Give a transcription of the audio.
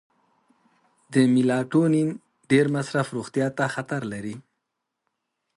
د میلاټونین ډیر مصرف روغتیا ته خطر لري.